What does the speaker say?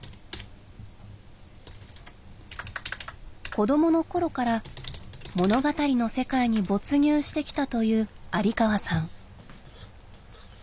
子供の頃から物語の世界に没入してきたという有川さん。